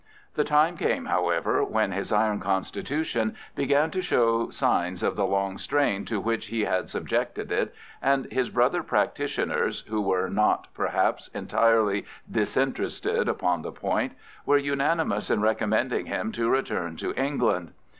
The time came, however, when his iron constitution began to show signs of the long strain to which he had subjected it, and his brother practitioners (who were not, perhaps, entirely disinterested upon the point) were unanimous in recommending him to return to England.